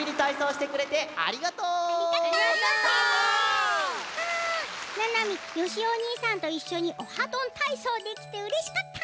あななみよしおにいさんといっしょに「オハどんたいそう」できてうれしかった。